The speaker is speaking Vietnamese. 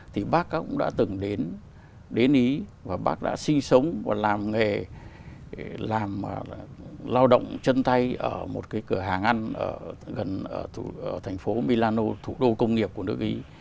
thì bác cũng đã từng đến ý và bác đã sinh sống và làm nghề làm lao động chân tay ở một cái cửa hàng ăn gần thành phố milano thủ đô công nghiệp của nước ý